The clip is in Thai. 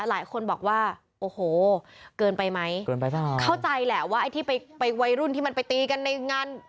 หลายคนบอกว่าโอ้โหเกินไปไหมเกินไปเปล่าเข้าใจแหละว่าไอ้ที่ไปไปวัยรุ่นที่มันไปตีกันในงาน